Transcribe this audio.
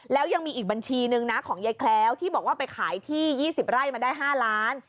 แล้วยังมีอีกบัญชีนึงนะของยายแคล้วที่บอกว่าไปขายที่๒๐ไร่มาได้๕ล้าน